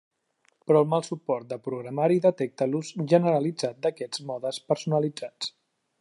Però el mal suport de programari detecta l’ús generalitzat d’aquests modes personalitzats.